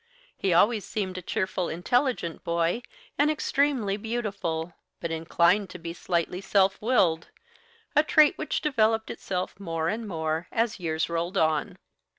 He always seemed a cheerful, intelligent boy, and extremely beautiful, but inclined to be slightly self willed, a trait which developed itself more and more as years rolled on.